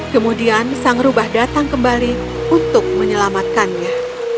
kemudian sang rubah datang kembali untuk menyelamatkannya